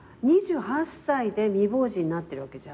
２８歳で未亡人なってるわけじゃん。